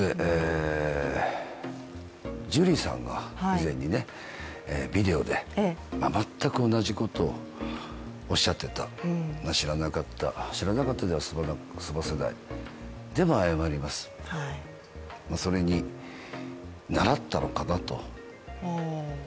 ジュリーさんは以前にビデオで全く同じことをおっしゃっていた、知らなかった、知らなかったでは済ませない、では謝ります、それにならったのかなと。